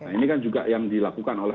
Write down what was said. ini kan juga yang dilakukan oleh